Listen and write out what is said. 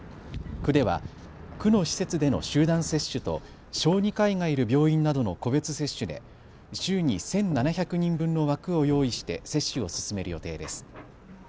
区では区の施設での集団接種と小児科医がいる病院などの個別接種で週に１７００人分の枠を用意して接種を進める予定です。